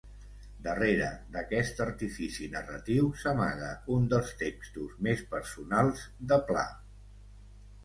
Darrere d'aquest artifici narratiu s'amaga un dels textos més personals de Pla.